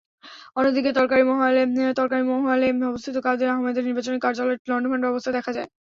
অন্যদিকে তরকারী মহালে অবস্থিত কাদির আহমেদের নির্বাচনী কার্যালয়টি লন্ডভন্ড অবস্থায় দেখা যায়।